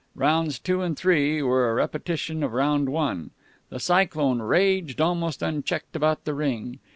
Rounds two and three were a repetition of round one. The Cyclone raged almost unchecked about the ring.